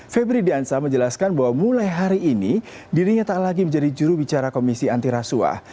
febri diansah menjelaskan bahwa mulai hari ini dirinya tak lagi menjadi jurubicara komisi antirasuah